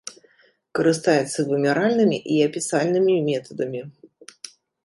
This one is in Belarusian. Карыстаецца вымяральнымі і апісальнымі метадамі.